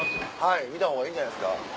見た方がいいんじゃないですか。